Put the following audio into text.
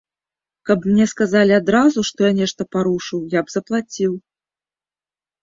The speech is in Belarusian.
Каб мне сказалі адразу, што я нешта парушыў, я б заплаціў!